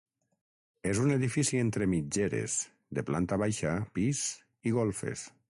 És un edifici entre mitgeres, de planta baixa, pis i golfes.